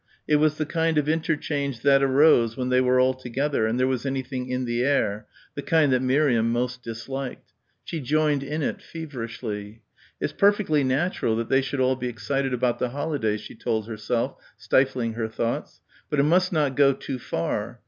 It was the kind of interchange that arose when they were all together and there was anything "in the air," the kind that Miriam most disliked. She joined in it feverishly. It's perfectly natural that they should all be excited about the holidays she told herself, stifling her thoughts. But it must not go too far.